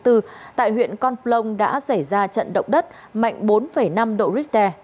tại huyện con plong đã xảy ra trận động đất mạnh bốn năm độ richter